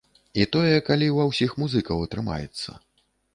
І тое калі ва ўсіх музыкаў атрымаецца.